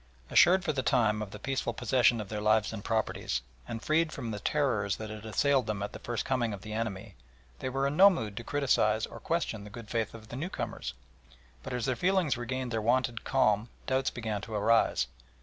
Assured for the time of the peaceful possession of their lives and property, and freed from the terrors that had assailed them at the first coming of the enemy, they were in no mood to criticise or question the good faith of the newcomers, but as their feelings regained their wonted calm doubts began to arise.